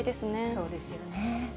そうですよね。